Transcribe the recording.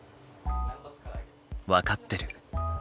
分かってる。